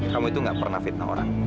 kamu itu gak pernah fitnah orang